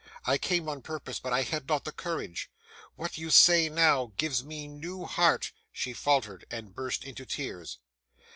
I came on purpose, but I had not the courage. What you say now, gives me new heart.' She faltered, and burst into tears.